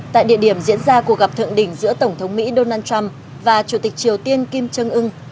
tại địa điểm diễn ra cuộc gặp thượng đỉnh giữa tổng thống mỹ donald trump và chủ tịch triều tiên kim trương ưng